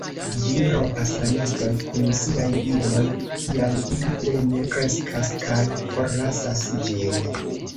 Ĝi rompas la neston kun siaj idoj, kiam ili plene kreskas, kaj forlasas ĝin.